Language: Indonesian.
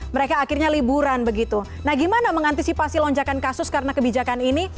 mereka akhirnya liburan begitu nah gimana mengantisipasi lonjakan kasus karena kebijakan ini